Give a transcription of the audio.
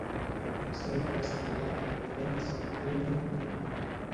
El Consell va assenyalar que la violència al Iemen continuava.